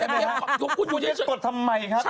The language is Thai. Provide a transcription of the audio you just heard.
อย่าตกดทำไมครับกำลังกดอย่างเช่น